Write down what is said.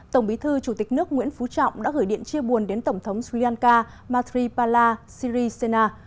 tổng bí thư chủ tịch nước nguyễn phú trọng đã gửi điện chia buồn đến tổng thống sri lanka matri pala sirisena